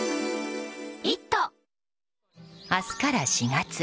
明日から４月。